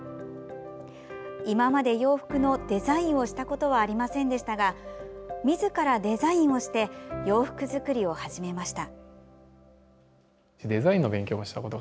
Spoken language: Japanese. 今まで洋服のデザインをしたことはありませんでしたがみずからデザインをして洋服作りを始めました。